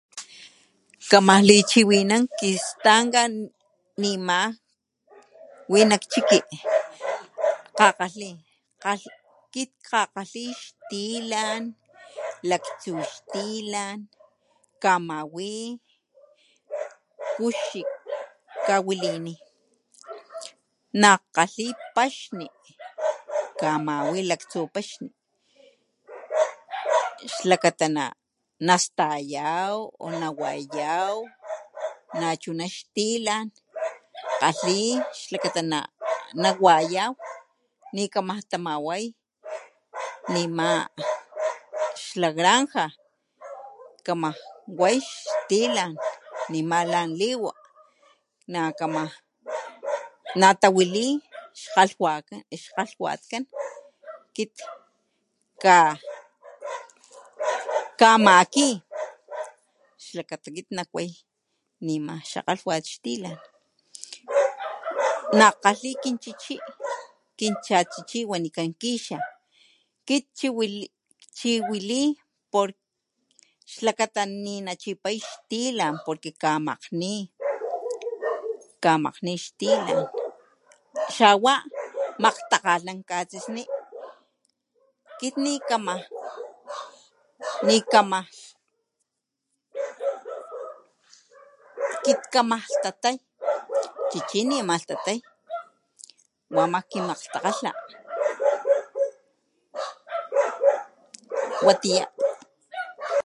Kama lichiwinan kistanka nima wi nak chiki jka'kgalhi kit jkakgalhi xtilan , laktsuxtilan kamawi kuxi kawalini najkgalhi paxni kamawi laktsu paxni xlakata nastayaw o nawayaw nachuna xtilan jkgalhi xlakata na' nawaya' ni kamaj tamayaw nima xla granja kama way xtilan nima lan liwa na kamaj natawali xkgalhwat ix kgalhwatkan kit ka' jkamaki xlakata kit nak way nima xa kgalhwat xtilan najkgalhi kin chichi kin chat chichi wanikan kixa kit chiwi kchiwili por xlakata ni na chipay xtilan porque kamakgni, kamakgni xtilan xawa makgtakgalhnan katsisni kit ni kamaj ni kamaj, kit kamalhtatay chichi ni ama lhtatay wama kimalgtakgalha watiya.